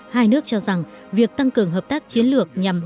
hai nước cho rằng việc tăng cường hợp tác chiến lược toàn diện của các nước